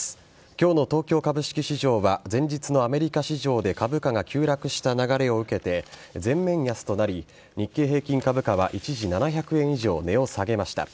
今日の東京株式市場は前日のアメリカ市場で株価が急落した流れを受けて全面安となり日経平均株価は一時７００円以上値を下げました。